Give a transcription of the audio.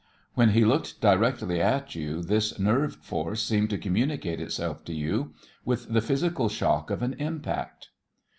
When he looked directly at you, this nerve force seemed to communicate itself to you with the physical shock of an impact.